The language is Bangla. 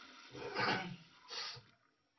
পাগল হোক আর যাই হোক, ওকে তো সে অনায়াসে মারিতে পারিত।